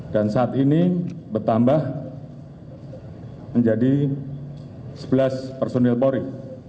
dan saat ini bertambah menjadi sebelas personel polri